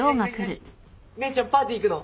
姉ちゃんパーティー行くの？